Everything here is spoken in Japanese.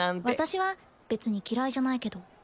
私は別に嫌いじゃないけど。